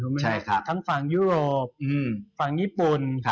ในฝั่งเยาร์โลปฝั่งญี่ปุ่น